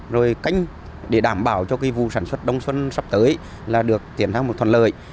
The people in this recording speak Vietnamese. rồi cánh để đảm bảo cho vụ sản xuất đông xuân sắp tới là được tiến thắng một thuận lợi